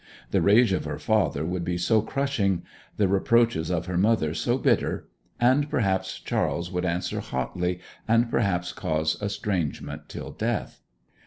The rage of her father would be so crushing; the reproaches of her mother so bitter; and perhaps Charles would answer hotly, and perhaps cause estrangement till death.